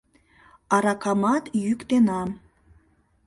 Аракамат йӱктенам.